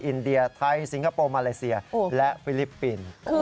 อินเดียไทยสิงคโปร์มาเลเซียและฟิลิปปินส์